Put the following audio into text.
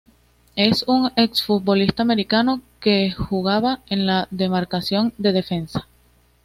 Es un exfutbolista mexicano que jugaba en la demarcación de defensa.